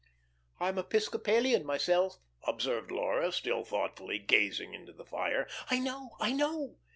"I'm Episcopalian myself," observed Laura, still thoughtfully gazing into the fire. "I know, I know.